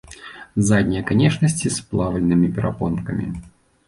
Заднія канечнасці з плавальнымі перапонкамі.